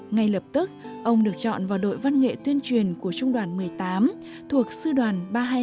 ngay lập tức ông được chọn vào đội văn nghệ tuyên truyền của trung đoàn một mươi tám thuộc sư đoàn ba trăm hai mươi năm